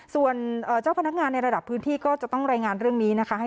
ส่วนเจ้าพนักงานในระดับพื้นที่ก็จะต้องรายงานเรื่องนี้นะคะ